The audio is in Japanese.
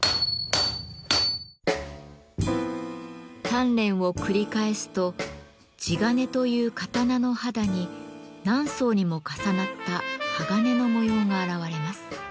鍛錬を繰り返すと地鉄という刀の肌に何層にも重なった鋼の模様が現れます。